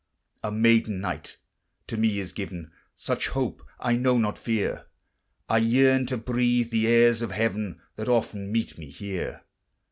A maiden knight to me is given Such hope, I know not fear; I yearn to breathe the airs of heaven That often meet me here.